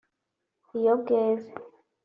iyo bweze